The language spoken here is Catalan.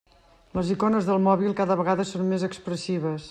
Les icones del mòbil cada vegada són més expressives.